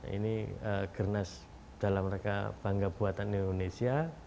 ini gernas dalam rangka bangga buatan indonesia